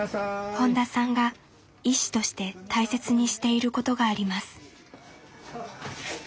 本田さんが医師として大切にしていることがあります。